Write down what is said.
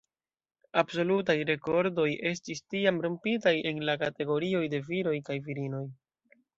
Absolutaj rekordoj estis tiam rompitaj en la kategorioj de viroj kaj virinoj.